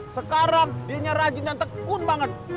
sekarang dia ini rajin dan tekun banget